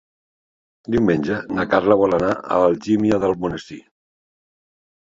Diumenge na Carla vol anar a Algímia d'Almonesir.